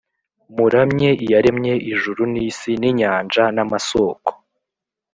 muramye Iyaremye ijuru n’isi n’inyanja n’amasōko.”